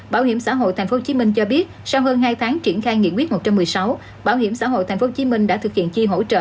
bảo hiểm xã hội tp hcm cho biết sau hơn hai tháng triển khai nghị quyết một trăm một mươi sáu bảo hiểm xã hội tp hcm đã thực hiện chi hỗ trợ